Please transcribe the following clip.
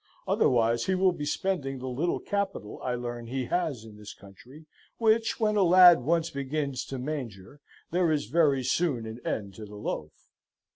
Otherwise he will be spending the little capital I learn he has in this country, which, when a ladd once begins to manger, there is very soon an end to the loaf.